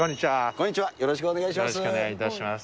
こんにちは、よろしくお願いします。